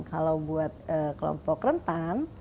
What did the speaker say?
kalau buat kelompok rentan